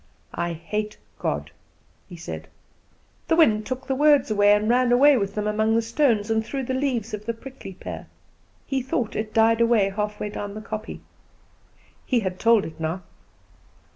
"I hate God!" he said. The wind took the words and ran away with them, among the stones, and through the leaves of the prickly pear. He thought it died away half down the kopje. He had told it now!